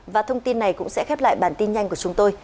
và thông tin này cũng sẽ khép lại bản tin nhanh của chúng tôi